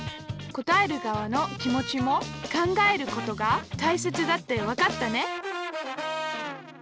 答える側の気持ちも考えることがたいせつだってわかったね